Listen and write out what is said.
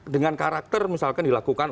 dengan karakter misalkan dilakukan